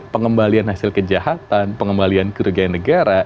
pengembalian hasil kejahatan pengembalian kerugian negara